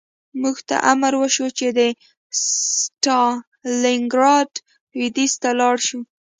موږ ته امر وشو چې د ستالینګراډ لویدیځ ته لاړ شو